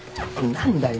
何だよ。